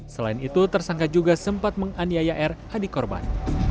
selain itu tersangka juga sempat menganiaya r adik korban